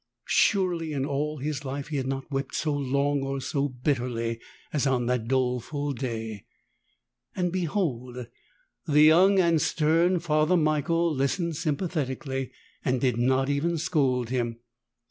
Surely in all his life he had not wept so long or so bitterly as on that doleful day ! And, behold, the young and stem Father Michael listened sympathetically, and did not even scold him.